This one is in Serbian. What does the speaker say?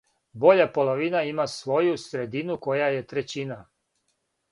Боља половина има своју средину која је трећина.